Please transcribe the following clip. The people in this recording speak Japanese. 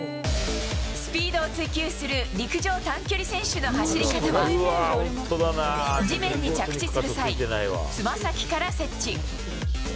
スピードを追求する陸上短距離選手の走り方は、地面に着地する際、つま先から接地。